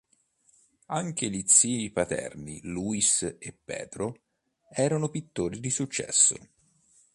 Anche gli zii paterni Luis e Pedro erano pittori di successo.